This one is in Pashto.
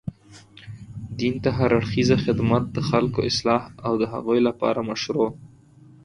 دين ته هر اړخيزه خدمت، د خلګو اصلاح او د هغوی لپاره مشروع